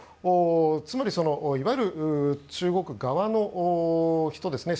つまり、いわゆる中国側の人ですね。